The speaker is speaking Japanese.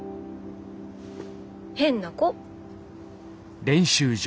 変な子。